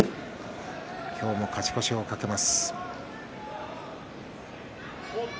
今日、勝ち越しを懸けます。